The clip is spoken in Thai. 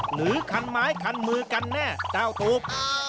หรือคันไม้คันมือกันแน่เจ้าถูก